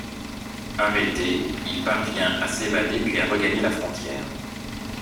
Arrêté, il parvient à s'évader puis à regagner la frontière.